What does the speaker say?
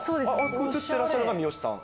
写ってらっしゃるのが三好さん？